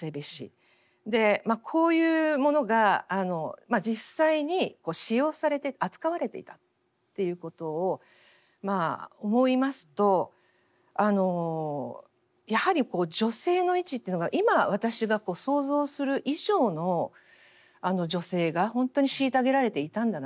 こういうものが実際に使用されて扱われていたっていうことを思いますとやはり女性の位置っていうのが今私が想像する以上の女性が本当に虐げられていたんだなと。